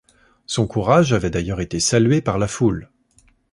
Son courage avait d'ailleurs été salué par la foule.